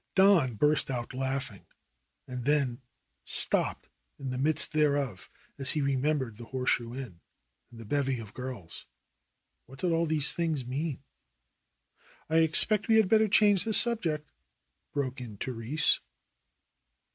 Don burst out laughing and then stopped in the midst thereof as he remembered the Horseshoe Inn and the bevy of girls. What did all these things mean ? "I expect we had better change the subject," broke in Therese.